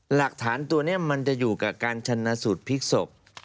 หลักฐานตัวนี้มันจะอยู่กับการชนะสูตรพลิกศพ